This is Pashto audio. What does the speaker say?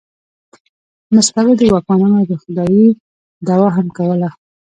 مستبدو واکمنانو د خدایي دعوا هم کوله.